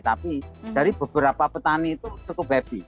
tapi dari beberapa petani itu cukup bapy